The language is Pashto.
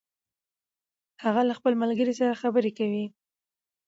هغه له خپل ملګري سره خبرې کوي